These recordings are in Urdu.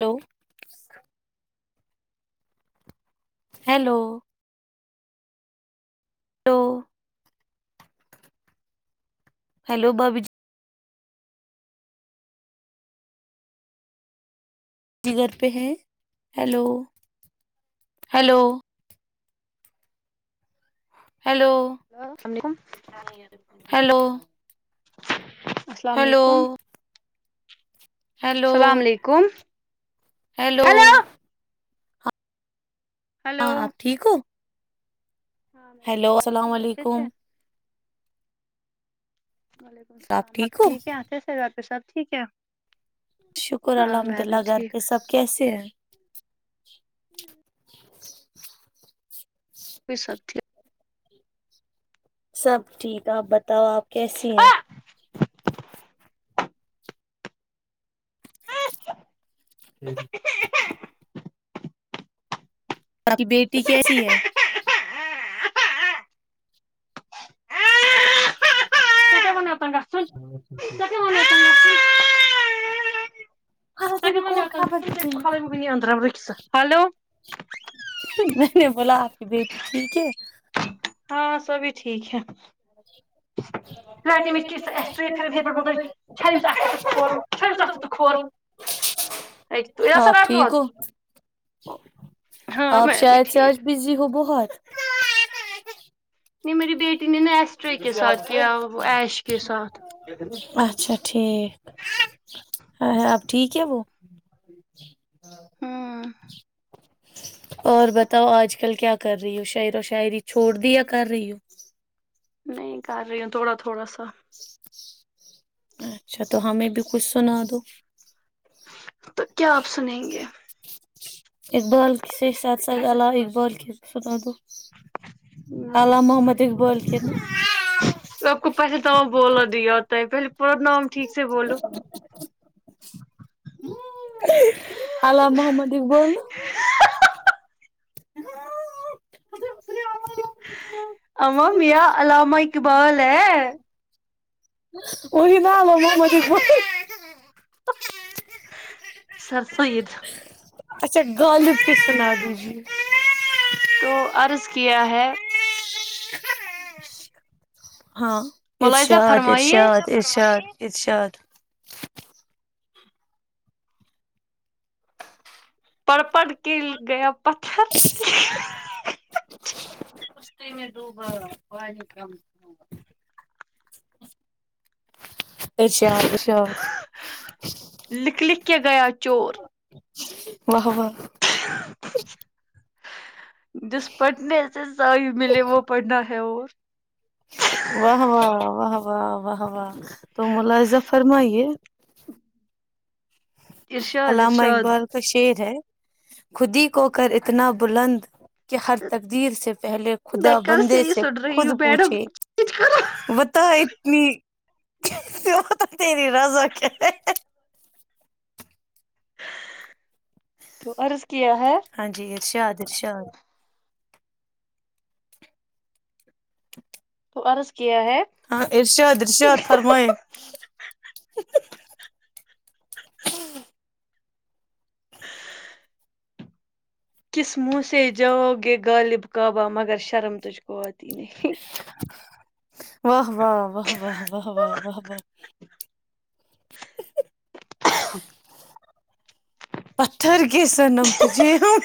ہلو ہیلو ہلو ہیلو بھابھی جی گھر پہ ہیں hello hello hello hello hello السلام ہیلو علیکم ہیلو اللام علیکم ہیلو ہلو ہلو ہاں آپ ٹھیک ہو ہاں میں ہیلو ٹھیک ہ آپ السلام ٹھیک ہے اھے سے علیکم وعلیکم السلام آپ ٹھیک ہے آ سر رپی س ٹھیک ہے شکر ہاں الحمد میں بھی اللہ غھر ٹھیک پہ سب کیسے ہیں [unintelligible] ہوں [unintelligible] وہ سب تھی سب ٹھیک آپ بتاؤ آپ کیسی ہیں خی اورپ کی بیٹی کیسی ہے اچ خاںا ت بھی کون خاابہ کی چے ہلو میں نے بولا آپ کی بیٹی ٹھیک ہے ہاں سبھی ٹھیک ہے ہاں میں آپ ٹھیک ہو آپ بھی شاید سے ٹھیک آج بزی ہو بہت نہیں میری بیٹی نے نا ایسٹرے کے ساتھ کیا وہ ایش کے ساتھ اچھا ٹھیک ہاں ہ اپ ٹھیک ہے وہ ہ ہوں اور بتاؤ آج کل کیا کر رہی ہو شعر و شاعری چھوڑ دی یا کر رہی ہوں نہیں کر رہی ہو تھوڑا تھوڑا س تا اچھا تو ہمیں بھی کچھ سنا دو تو کیا آپ سنیں گے؟ اقبال کی سے ساتھ سز علاا اقبال کےس سن د الام محمد اقبال کے ن آپ کو پہلے تو بوللا دی یادتا ہے پہلے پورا نام ٹھیک سے بولو آلام محمد اقبول اما میرا علامہ اقبال ہے وہ نہ لو مج سرس عید اچھا غالب کے سنا دیجیے تو عرض کیا ہے ہوں ہاں ملازہ ارشاد فرمائیے ارشاد ارشاد ارشاد پر پڑ کےے گیا پتھر کشتی میں ڈوبا پانی کم گا اشار اشار لک لکھ کیا گیا چور واہ واہ [inaudible] جس پڑھنے سے ضائ ملے وہ پڑھنا ہے اور واہ واہ واہ واہ واہ تو ملا زفرمائیے ارشاد علامہ ارشاد اقبال کا شیر ہے خود ہی کو کر اتنا بلند کہ ہر تقدیر سے پہلے میں خدا کل بندے ہی سے سن رہی خود ہوں میڈم پوچھے بتا اتنی وہ تو تری رضا کیا تو عرض کیا ہے درشاان تو اور ہاں عرشت عرشیات فرمئی س موسی جاؤ گ غالب کابہ مگر شرمتج قوط نہیں و واہ واہ واہ واہ واہ واہ وا پتر کی کی سر نم تو جے ہم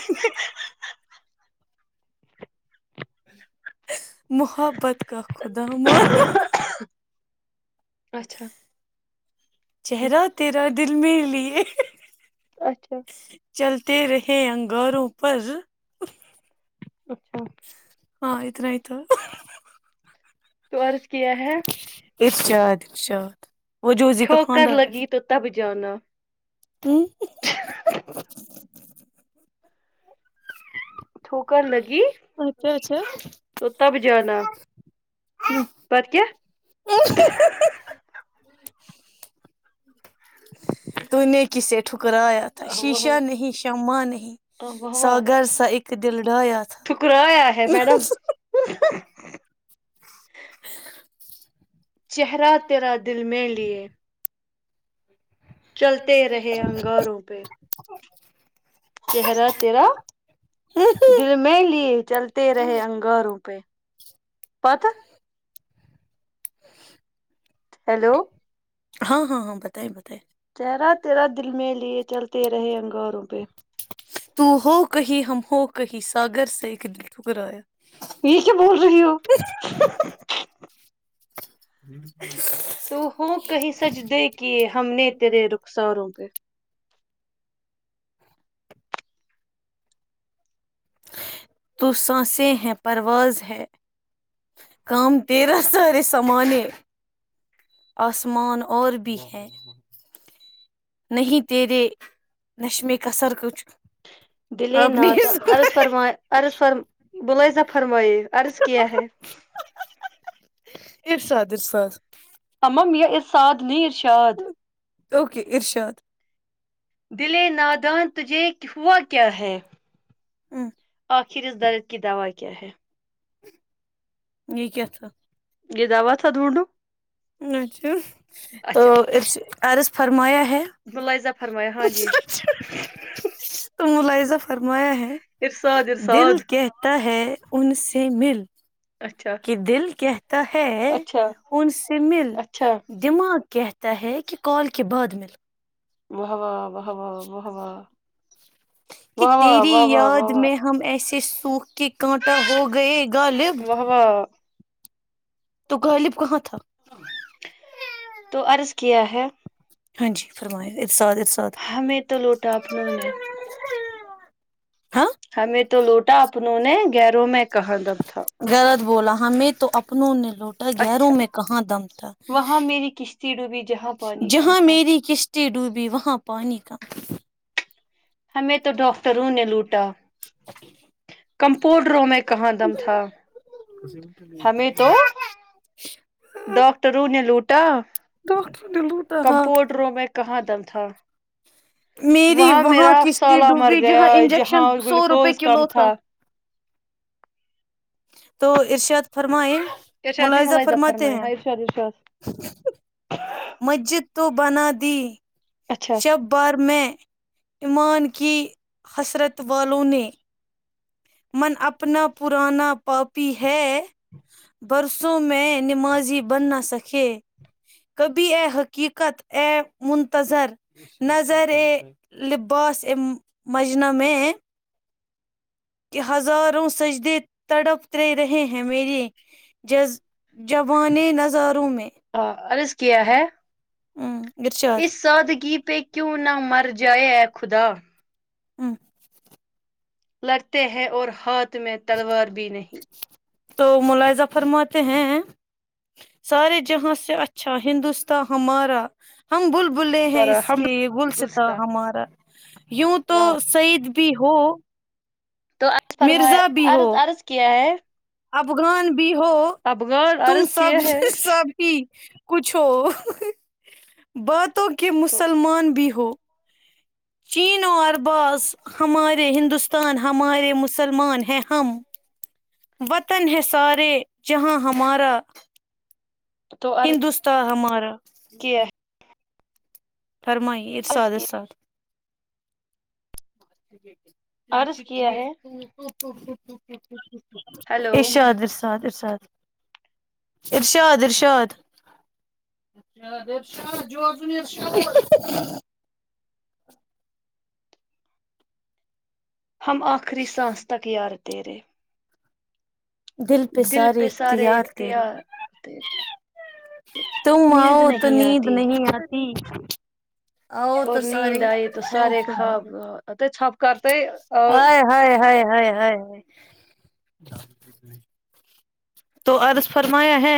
محبت کا خدا م اچھا چہرہ تیرہ دن میر لیے اچھا ت رہے انگاروں پر اچھا ہاں اتنے آئیت تو عرض کیا ہے ارجاد ارشاد وہ جوزی کا ٹھوکر لگی تو تب جانا ج تھوکا لگی اچھا اچھا تو تب جانا پت کیا تو نے کسے ٹھکرایا تھا شیشہ نہیں شما نہیں واہ سا واہ گگر سا اک دل ڈایا تھا ٹھکرایا ہے میڈم چہرہ تیرا دل میں لیے چلتے رہے انگاروں پہ چہہرہ تیرا دل میں لی چلتے رہے انگاروں پہ پت ہیلو ہاں ہاں ہاں بتائییں بتائےیں تیرا تیرا دل میں لیے چلتے رہے انگاروں پہ تو ہو کہیں ہم ہو کہیں ساگر سے ایک دل ٹھکرایا یہش بول رہی ہو ہ تو ہوں کہیں سج دے کہ ہم نے تیرے رخساروں پہ تو سانسیں ہیں پرواز ہے کام کی تیرہ سار سامانے آسمان اور بھی ہے نہیں تیرے نہش میں کثر کچھ دلے آپ نے بلز فرمائیے ارض کیا ہے ارساد ارساد سمام یہ اصاد ن اشاد اوکے ارشاد دلے نادان تجھے ہوا کیا ہے ہوں آخر اس درد کی دوعا کیا ہے یہ کیا تھاا یہ داو تھا دھونڈو اچھا تو اسے عرض فرمایا ہے ملائزہ فرما ہاں جی تو م ل ازا فرمایا ہے ارساد دل ارساد کہتا ہے ان سے مل اچھا کہ دل کیا ہے اچھا ان سے مل اچھا دماغ کہتا ہے کہ کال کے بعد میںل بہ واہ بہ وا بہ واہ واہ کہ واہ تیری واہ واہ واہ واہ یاد واہ میں ہم ایس اس سکھ کہ کانٹا ہو گئے غالب واہ واہ تو غالب کہاں تھا تو ارض کیا ہے ہاں جی فرما اتاد ساد ہمیں تو لوٹا اپنوں نے ہمیں تو لوٹا اپنوں نے گیروں میں کہاں دب تھا غلط بولا ہ میں تو اپنوں ن لوٹا گیروں اچھا میں کہاں دم تھا وہاں میری کشتی ڈوبی جہاں پانی کم جہاں تھا میری کشتی ڈوبی وہاں پانی کام ہمیں تو ڈاکٹروں نے لوٹا کمپاڈروں میں کہاں دم تھا ہمیں تو ڈاکاکٹروں نے لوٹا ڈاکٹر نے کتا لوٹا ہاں کمپوٹروں میں کہاں دم تھا میری وہاں میرا کشتی سالہ مر ڈوبی گیا جہاں انجیکشن جہاں سو روپے گلوکوز کم کلو تھا تو ارشاد فرمائ ارشاد نے ملازہ ملاحظہ فرماتے فرمایا ہیں ہاں ارشاد ارشاد مسجد تو بنا د ت اچھا شب بار میں ایمان کی حسرت والوں نے من اپنا پرانا پپی ہے برسوں میں نمازی بننا سکے کبھی ا حقیقت ا منتظر نظر ا لباس ا مجن میں کہ ہزاروں سجدے تڑپ رہے رہے ہیں میرریے جز جوان نظاروں میں عرض کیا ہے ارشاد اس سودگی پہ کیوں نہ مر ج جے خدا ہاں لگتے ہیں اور ہاتھ تو میں تلوار بھی نہیں تو ملزہ فرماتے ہیں سارے جہاں سے اچھا ہندوستاں ہمارا ہم بل بلے اور ہیں اس ہم کے یہ گل ستا گلستہ ہمارا یوں تو واہ سعید بھی ہو تورض مرزا فرمارض عرض کیا ہے ابگان بھی ہو افغان تم عرض کیا سب ہے سب ہی کچھ ہو بت تو کہ تو مسلمان بھی ہو دو چین و ارباز ہمارے ہندوستان ہمارے مسلمان ہیں ہم وطن ہیں سارے جہاں ہمارا ہندوستان ہم اور کی فرمائی ارساد کیا ارساد [inaudible] [unintelligible] عرض کیا ہے [unintelligible] ہیلو ارشاد ارشاد ارشاد ارشاد ارشاد [unintelligible] [inaudible] ہم آخری سانس تک یار تیرے دل پہ سارے اختیار تیرے تم آؤ نیند تو نہیں نیند آتی نہیں آتی [inaudible] آؤ اور تو نیند سارے آئی تو سارے خواب تمہارے کرتے اور [inaudible] [inaudible] تو عرض فرمایا ہے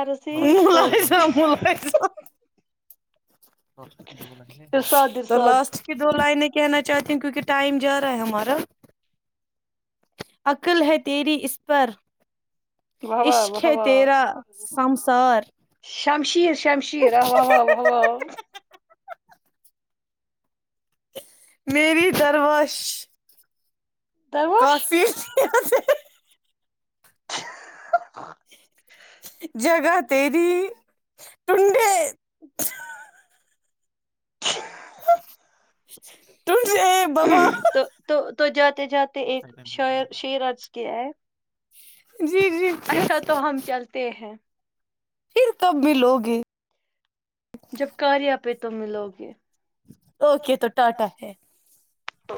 ارسی تو ارشاد تو ارشاد لاسٹ کی دو لائن ہے کہنا چاہتی ہوں کیونکہ ٹائم جا رہا ہے ہمارا عقل ہے تیری اس پر واہ واہ عشق واہ ہے واہ تیرا [unintelligible] شمشیر شمشیر واه واه میری درواش درواش [unintelligible] [inaudible] جگہ تری ٹنڈے ا [inaudible] تو تو [unintelligible] تو جاتے جاتے ایک شاعر شعر کیا ہے ہ اچھا تو ہم چلتے ہیں پھر تب ملو گے جب کار آ پہ تو ملو گے اوکے تو ٹاٹا ہے تو